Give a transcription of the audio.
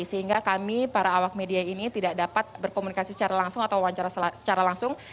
sehingga kami para awak media ini tidak dapat berkomunikasi secara langsung atau wawancara secara langsung